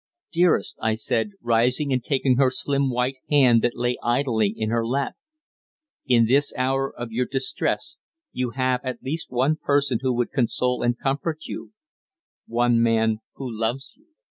"Dearest," I said, rising and taking her slim white hand that lay idly in her lap, "in this hour of your distress you have at least one person who would console and comfort you one man who loves you."